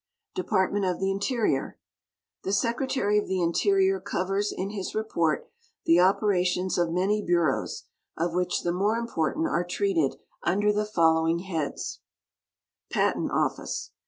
Departme.xp of the Ixterior. — The Secretary of the Interior covers in his report the operations of many bureaus, of which the more important are treated under the following heads : Patent Office.